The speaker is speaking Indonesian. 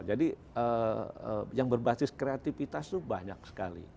jadi yang berbasis kreatifitas itu banyak sekali